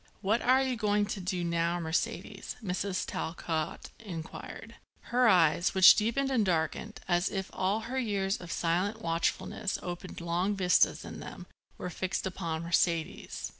"What are you going to do now, Mercedes?" Mrs. Talcott inquired. Her eyes, which deepened and darkened, as if all her years of silent watchfulness opened long vistas in them, were fixed upon Mercedes.